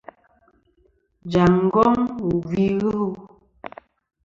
Jaŋ ngong wù gvi ghɨ lu.